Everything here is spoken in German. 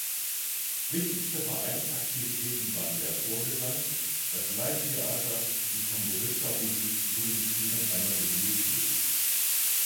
Wichtigste Vereinsaktivitäten waren der Chorgesang, das Laientheater, die Tamburizzamusik sowie die Führung einer Bibliothek.